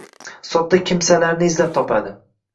Sodda kimsalarni izlab topadi.